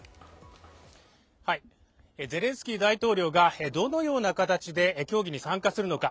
ゼレンスキー大統領がどのような形で協議に参加するのか。